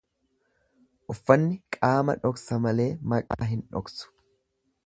Uffanni qaama dhoksa malee maqaa hin dhoksu.